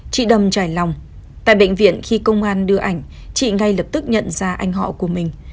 chị đầm trải lòng tại bệnh viện khi công an đưa ảnh chị ngay lập tức nhận ra anh họ của mình